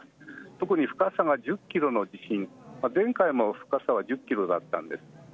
特に深さが１０キロの地震前回も深さは１０キロだったんです。